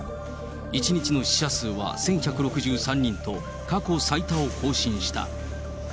１日の死者数は１１６３人と、過去最多を更新した。